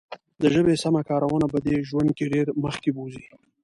د ژبې سمه کارونه به دې ژوند کې ډېر مخکې بوزي.